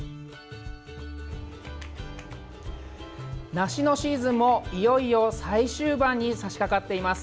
梨のシーズンも、いよいよ最終盤にさしかかっています。